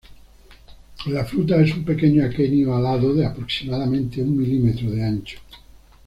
La fruta es un pequeño aquenio alado de aproximadamente un milímetro de ancho.